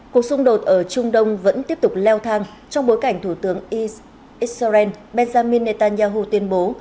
cuộc xung đột ở trung đông vẫn tiếp tục leo thang trong bối cảnh thủ tướng israel benjamin netanyahu tuyên bố